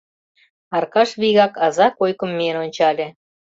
Аркаш вигак аза койкым миен ончале.